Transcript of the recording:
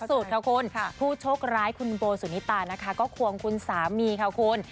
สุดค่ะคุณผู้โชคร้ายคุณโบสุนิตานะคะก็ควงคุณสามีค่ะคุณ